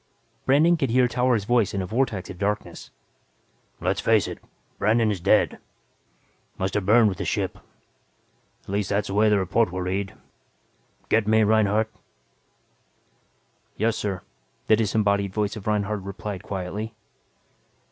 Brandon could hear Towers' voice in a vortex of darkness. "Let's face it Brandon is dead. Must have burned with the ship, at least that's the way the report will read. Get me, Reinhardt?" "Yes, sir," the disembodied voice of Reinhardt replied quietly.